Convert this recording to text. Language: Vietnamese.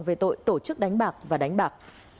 về tội tổ chức đánh bạc và đánh bạc